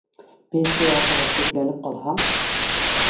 Пенсияға сығып, төпләнеп ҡалһам